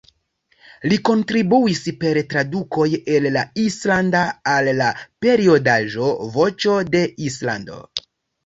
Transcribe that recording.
Li kontribuis per tradukoj el la islanda al la periodaĵo "Voĉo de Islando".